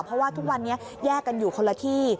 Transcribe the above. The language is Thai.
เพราะว่าทุกวันนี้แยกกันอยู่คนละที่